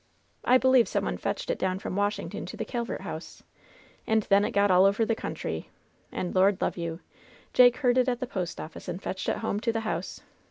I believe some one fetched it down from Washington to the Calvert House, and then it got all over the country; and Lord love you, Jake heard it at the post office and fetched it home to the house.